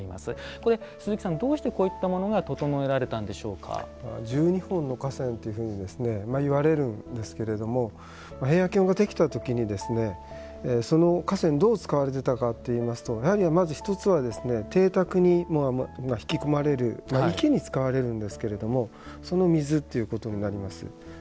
これ鈴木さんどうしてこういったものが１２本の河川というふうに言われるんですけども平安京ができた時にその河川、どう使われていたかといいますとやはりまず１つは邸宅に引き込まれて池に使われるんですけれどもその水ということになります。